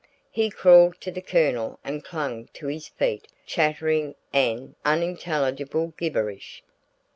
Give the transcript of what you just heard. He crawled to the Colonel and clung to his feet chattering an unintelligible gibberish.